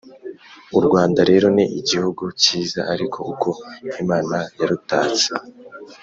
u rwanda rero ni igihugu cyiza, ariko uko imana yarutatse